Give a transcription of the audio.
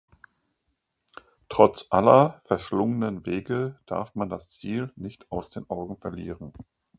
Trotz aller verschlungenen Wege darf man das Ziel nicht aus den Augen verlieren.